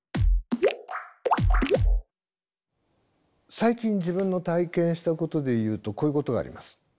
最近自分の体験したことで言うとこういうことがあります。